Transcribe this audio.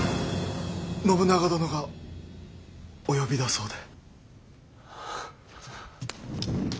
信長殿がお呼びだそうで。